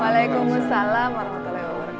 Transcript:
waalaikumsalam warahmatullahi wabarakatuh